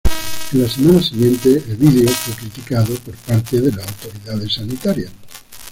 En las semanas siguientes el vídeo fue criticado por parte de las autoridades sanitarias.